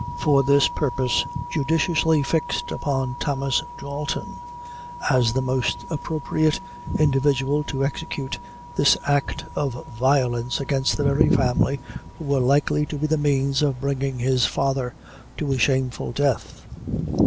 For this purpose he judiciously fixed upon Thomas Dalton, as the most appropriate individual to execute this act of violence against the very family who were likely to be the means of bringing his father to a shameful death.